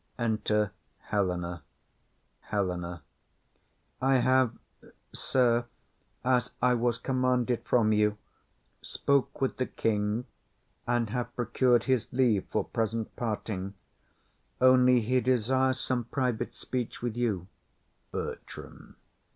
Enter Helena. HELENA. I have, sir, as I was commanded from you, Spoke with the king, and have procur'd his leave For present parting; only he desires Some private speech with you. BERTRAM.